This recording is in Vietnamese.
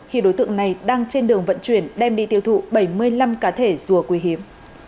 khi đối tượng này đang trên đường vận chuyển đem đi tiêu thụ bảy mươi năm cá thể rùa quý hiếm